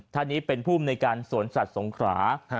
ท่านนี้เป็นภูมิในการสวนสัตว์สงขรา